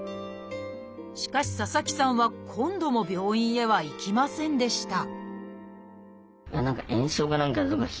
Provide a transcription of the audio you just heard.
しかし佐々木さんは今度も病院へは行きませんでした